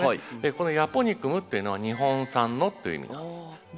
この「ヤポニクム」っていうのは「日本産の」という意味なんです。